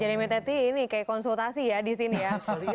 jadi metteti ini kayak konsultasi ya di sini ya